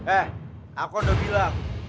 eh aku udah bilang